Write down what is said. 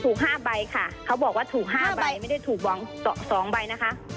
๕ใบค่ะเขาบอกว่าถูก๕ใบไม่ได้ถูก๒ใบนะคะ